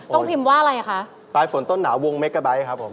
ต้องพิมพ์ว่าอะไรอ่ะคะปลายฝนต้นหนาววงเมกะไบท์ครับผม